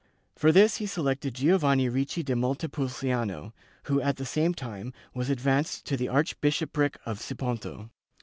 For this he selected Giovanni Ricci da Montepulciano who, at the same time, was advanced to the archbishopric of Siponto.